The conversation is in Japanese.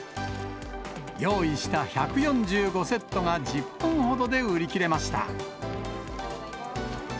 用意した１４５セットが１０分ほどで売り切れました。